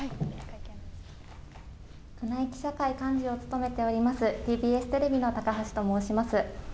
宮内記者会幹事を務めております、ＴＢＳテレビのたかはしと申します。